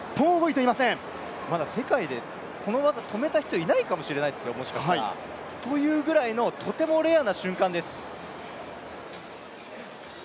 まだ世界でこの技を止めた人いないかもしれないですよ。というぐらいのとてもレアな瞬間です。